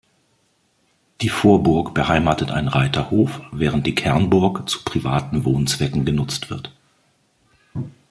Die Vorburg beheimatet einen Reiterhof, während die Kernburg zu privaten Wohnzwecken genutzt wird.